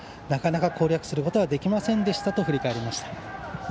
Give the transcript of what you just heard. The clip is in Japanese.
なかなか攻略することができませんでしたと振り返りました。